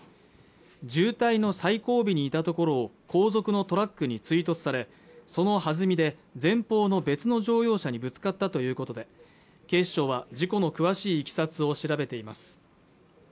渋滞の最後尾にいたところを後続のトラックに追突されそのはずみで前方の別の乗用車にぶつかったということで警視庁は事故の詳しいいきさつを調べています